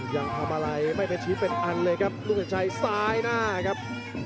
ยังทำอะไรไม่เป็นชี้เป็นอันเลยครับลูกสินชัยซ้ายหน้าครับ